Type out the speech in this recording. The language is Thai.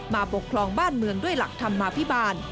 มาปกครองบ้านเมืองด้วยหลักธรรมาภิบาล